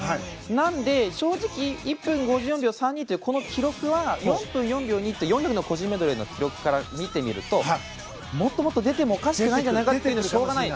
なので、正直１分５４秒３２というこの記録は個人メドレーの記録から見るともっともっと出てもおかしくないんじゃないかと思うかもしれない。